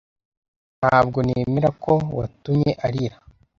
Ntabwo nemera ko watumye arira